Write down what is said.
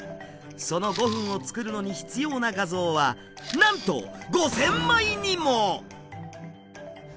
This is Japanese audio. その５分を作るのに必要な画像はなんと５，０００枚にも！